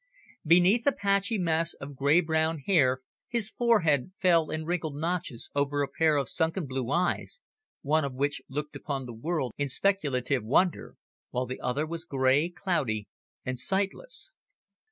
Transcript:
Beneath a patchy mass of grey brown hair his forehead fell in wrinkled notches over a pair of sunken blue eyes, one of which looked upon the world in speculative wonder, while the other was grey, cloudy, and sightless.